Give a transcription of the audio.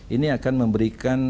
ini akan memberikan